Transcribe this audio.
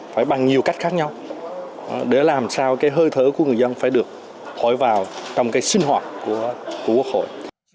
phải bằng nhiều cách khác nhau để làm sao cái hơi thở của người dân phải được thổi vào trong cái sinh hoạt của quốc hội